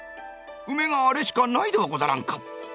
ウメがあれしかないではござらんか」。